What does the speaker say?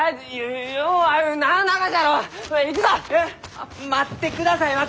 えっ待ってください若！